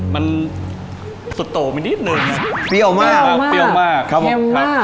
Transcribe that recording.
มันสุดโตไม่ได้เลยเปรี้ยวมากเปรี้ยวมากเปรี้ยวมากครับผมเค็มมาก